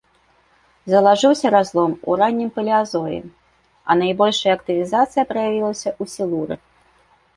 Залажыўся разлом у раннім палеазоі, а найбольшая актывізацыя праявілася ў сілуры.